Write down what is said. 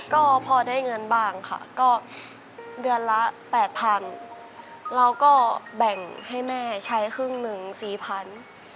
ก็พอได้เงินบ้างค่ะก็เดือนละ๘๐๐๐บาทแล้วก็แบ่งให้แม่ใช้ครึ่งหนึ่ง๔๐๐๐บาท